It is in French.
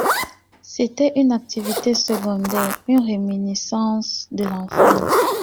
c’était une activité secondaire, une réminiscence de l’enfance.